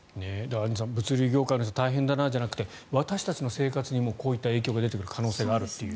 アンジュさん物流業界の人大変だなじゃなくて私たちの生活にもこういった影響が出てくる可能性があるという。